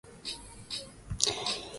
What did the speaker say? Vijiji huzungukwa na uwa unaoitwa Enkang